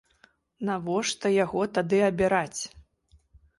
Навошта яго тады абіраць?